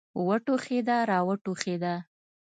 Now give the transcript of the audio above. وټوخېده را وټوخېده.